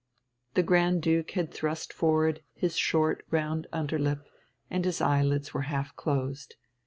The Grand Duke had thrust forward his short, round underlip, and his eyelids were half closed.